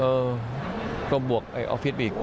เออก็บวกไอ้ออฟฟิศอีก